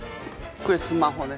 これスマホね。